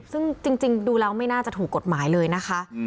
ซึ่งจริงดูแล้วไม่น่าจะถูกกฎหมายเลยนะคะ